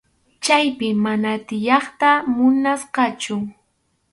Chaypi mana tiyayta munasqachu.